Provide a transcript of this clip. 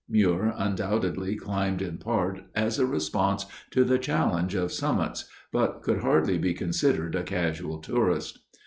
Muir undoubtedly climbed in part as a response to the challenge of summits but could hardly be considered a casual tourist.